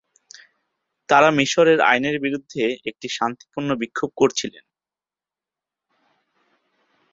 তারা মিশরের আইনের বিরুদ্ধে একটি শান্তিপূর্ণ বিক্ষোভ করছিলেন।